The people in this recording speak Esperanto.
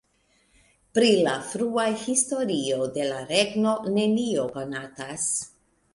Pri la frua historio de la regno nenio konatas.